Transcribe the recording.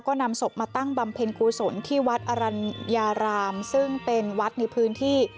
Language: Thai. ก็นำศพมาตั้งบำเพ็ญกุศลที่วัดอรัญญารามซึ่งเป็นวัดในพื้นที่